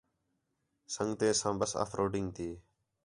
سنڳتیں ساں ٻس آف روڈنگ تی